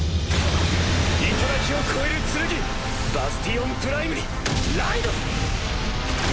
頂を超える剣バスティオン・プライムにライド！